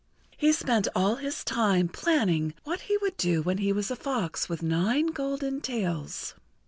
He spent all his time planning what he would do when he was a fox with nine golden tails.